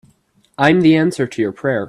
I'm the answer to your prayer.